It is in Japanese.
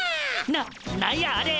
な何やあれ！？